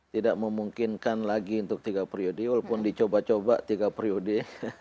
tidak memungkinkan lagi untuk tiga periode walaupun dicoba coba tiga periode